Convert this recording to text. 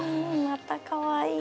またかわいい。